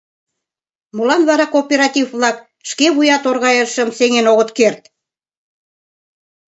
Молан вара кооператив-влак шке вуя торгайышым сеҥен огыт керт?